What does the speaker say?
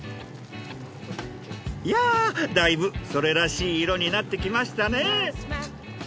いやだいぶそれらしい色になってきましたね。